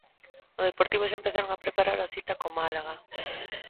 No Deportivo xa empezaron a preparar a cita co Málaga.